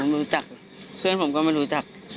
แล้วหลังจากนั้นเราขับหนีเอามามันก็ไล่ตามมาอยู่ตรงนั้น